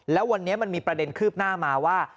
แล้ววันนี้มันมีประเด็นคืบหน้ามาว่า